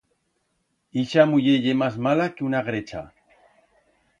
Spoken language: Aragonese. Ixa muller ye mas mala que una grecha.